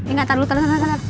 eh ngga tar lu tar tar tar